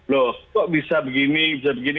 loh kok bisa begini bisa begini